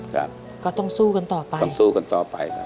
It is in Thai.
ก็ต้องสู้กันต่อไปต้องสู้กันต่อไปครับ